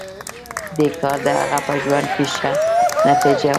دې کار د هغه په ژوند کې ښه نتېجه ورکړه